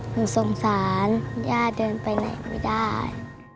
หนูสงสารย่าเดินไปไหนไม่ได้